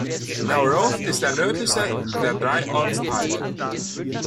Nauroth ist der nördlichste der drei Ortsteile.